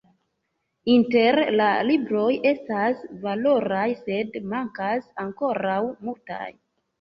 Inter la libroj estas valoraj, sed mankas ankoraŭ multaj.